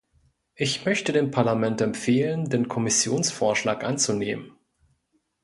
Ich möchte dem Parlament empfehlen, den Kommissionsvorschlag anzunehmen.